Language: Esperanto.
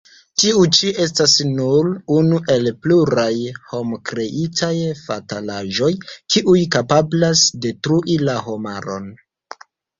Tiu ĉi estas nur unu el pluraj homkreitaj fatalaĵoj, kiuj kapablas detrui la homaron.